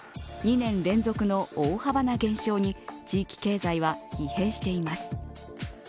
２年連続の大幅な減少に地域経済は疲弊しています。